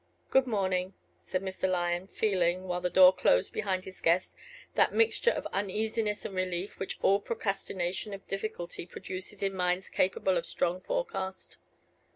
"Good morning," said Mr. Lyon, feeling, while the door closed behind his guest, that mixture of uneasiness and relief which all procrastination of difficulty produces in minds capable of strong forecast.